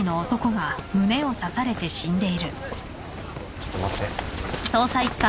ちょっと待って。